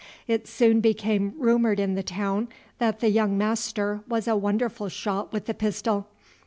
It soon became rumored in the town that the young master was a wonderful shot with the pistol.